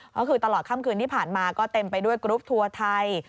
ก็คือตลอดค่ำคืนที่ผ่านมาก็เต็มไปด้วยกรุ๊ปทัวร์ไทย